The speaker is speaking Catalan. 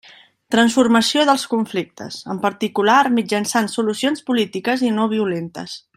Transformació dels conflictes, en particular mitjançant solucions polítiques i no violentes.